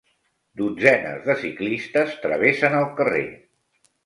Dotzenes de ciclistes travessen el carrer.